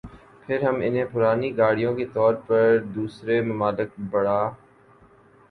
پھر ہم انہیں پرانی گاڑیوں کے طور پر دوسرے ممالک برآ